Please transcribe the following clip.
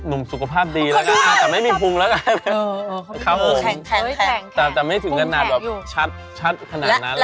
หนุ่มสุขภาพดีแล้วกันค่ะแต่ไม่มีภูมิแล้วกันข้าวโหงแต่ไม่ถึงกันหนัดแบบชัดขนาดนั้นเลย